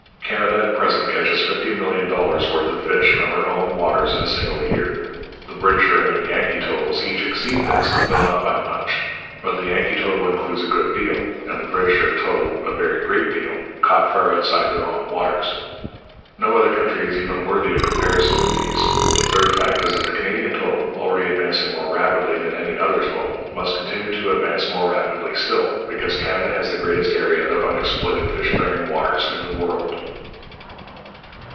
Canada at present catches fifty million dollars' worth of fish from her own waters in a single year. The 'Britisher' and 'Yankee' totals each exceed this, though not by much. But the Yankee total includes a good deal, and the Britisher total a very great deal, caught far outside their own waters. No other country is even worthy of comparison with these. The third fact is that the Canadian total, already advancing more rapidly than any other total, must continue to advance more rapidly still, because Canada has the greatest area of unexploited fish bearing waters in the world.